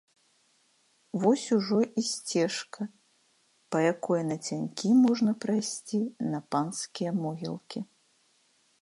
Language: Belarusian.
Вось ужо і сцежка, па якой нацянькі можна прайсці на панскія могілкі.